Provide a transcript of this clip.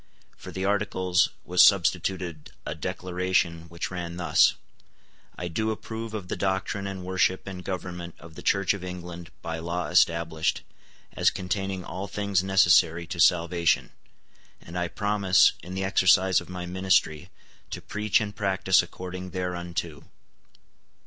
For the Articles was substituted a Declaration which ran thus; "I do approve of the doctrine and worship and government of the Church of England by law established, as containing all things necessary to salvation; and I promise, in the exercise of my ministry, to preach and practice according thereunto."